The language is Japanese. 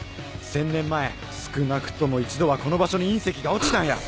１０００年前少なくとも一度はこの場所に隕石が落ちたんや！